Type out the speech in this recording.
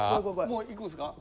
もういくんすか？